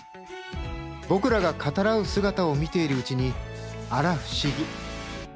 僕らが語らう姿を見ているうちにあら不思議。